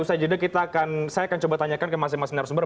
saya akan coba tanyakan ke masing masing narasumber